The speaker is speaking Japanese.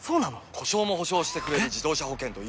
故障も補償してくれる自動車保険といえば？